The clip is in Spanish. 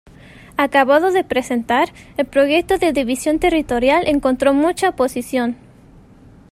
Acabado de presentar, el proyecto de división territorial encontró mucha oposición.